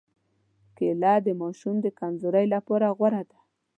کېله د ماشو د کمزورۍ لپاره غوره ده.